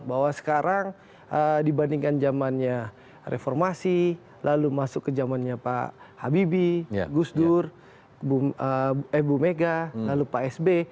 bahwa sekarang dibandingkan zamannya reformasi lalu masuk ke zamannya pak habibie gus dur ibu mega lalu pak sb